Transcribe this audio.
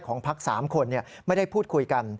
ของภาคสามคนไม่ได้พูดคุยกัน